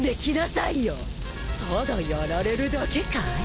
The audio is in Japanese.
ただやられるだけかい？